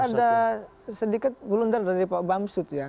saya lihat ada sedikit bulunder dari pak bamsud ya